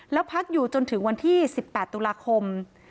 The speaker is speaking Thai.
แล้วพักอยู่จนถึงวันที่๑๘ตุลาคม